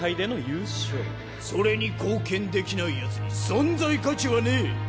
それに貢献できない奴に存在価値はねえ。